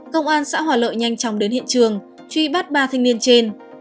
công an xã hòa lợi nhanh chóng đến hiện trường truy bắt ba thanh niên trên